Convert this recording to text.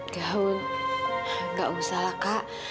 gaun nggak usah lah kak